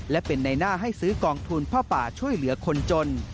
และเป็นในหน้าให้ซื้อกองทุนผ้าป่าช่วยเหลือคนจน